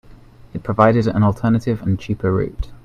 It provided an alternative and cheaper route.